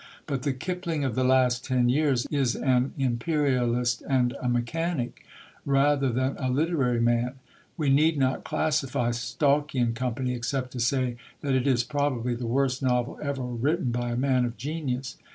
But the Kipling of the last ten years is an Imperialist and a Mechanic, rather than a literary man. We need not classify Stalky and Co., except to say that it is probably the worst novel ever written by a man of genius.